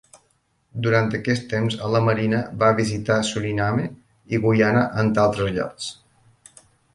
Durant aquest temps a la marina, va visitar Suriname i Guyana entre altres llocs.